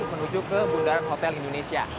menuju ke bundaran hotel indonesia